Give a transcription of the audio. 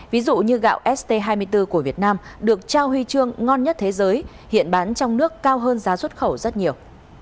ví dụ như gạo st hai mươi bốn của việt nam được trao huy chương ngon nhất thế giới hiện bán trong nước cao hơn giá xuất khẩu rất nhiều